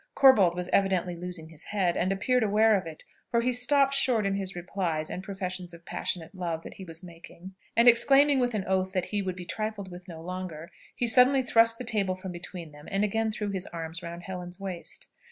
Corbold was evidently losing his head, and appeared aware of it; for he stopped short in his replies and professions of passionate love that he was making: and exclaiming with an oath that he would be trifled with no longer, he suddenly thrust the table from between them, and again threw his arms round Helen's waist.